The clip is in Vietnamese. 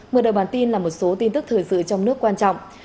mở đầu bản tin là một số tin tức thời sự trong nước quan trọng